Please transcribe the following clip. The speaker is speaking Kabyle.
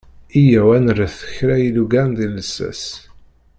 Yya-w ad nerret kra ilugan deg llsas.